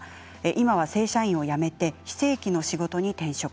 今は正社員をやめて非正規の仕事に転職。